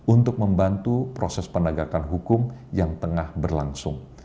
untuk membantu proses penegakan hukum yang tengah berlangsung